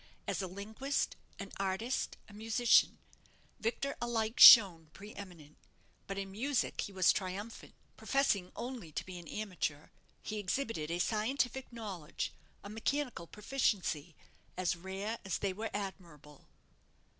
As a linguist, an artist, a musician, Victor alike shone pre eminent; but in music he was triumphant. Professing only to be an amateur, he exhibited a scientific knowledge, a mechanical proficiency, as rare as they were admirable.